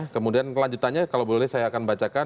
kemudian kelanjutannya kalau boleh saya akan bacakan